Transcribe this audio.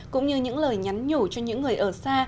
cũng như những lời nhắn nhủ cho những người ở xa